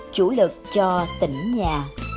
chủ lực cho tỉnh nhà